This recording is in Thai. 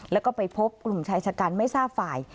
แล้วก็ไปพบกลุ่มชายชะกันไม่ทราบฝ่าย